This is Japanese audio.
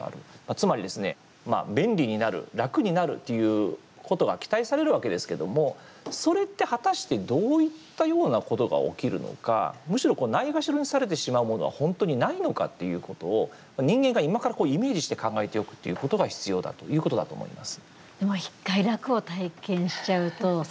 つまりですね、便利になる楽になるということが期待されるわけですけどもそれって、果たしてどういったようなことが起きるのかむしろ、ないがしろにされてしまうものが本当にないのかっていうことを人間が、今からイメージして考えておくっていうことが必要だということだと思います。